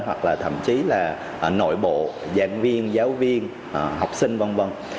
hoặc là thậm chí là nội bộ giảng viên giáo viên học sinh v v